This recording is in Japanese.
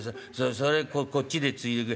それこっちでついでくれ。